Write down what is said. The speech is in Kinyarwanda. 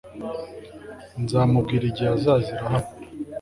Nzamubwira igihe azazira hano